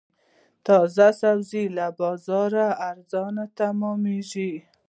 تازه سبزي له بازاره ارزانه تمامېږي.